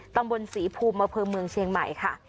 ตำบลศรีภูมิอำเภอเมืองเชียงใหม่ค่ะ